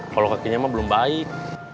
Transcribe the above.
kalau kakinya mah belum baik